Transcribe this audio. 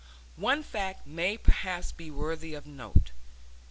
One fact may perhaps be worthy of note.